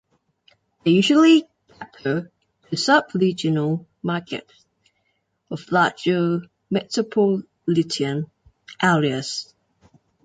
They usually cater to sub-regional markets of larger metropolitan areas.